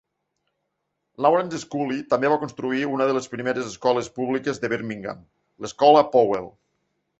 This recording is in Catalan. Lawrence Scully també va construir una de les primeres escoles públiques de Birmingham, l'Escola Powell.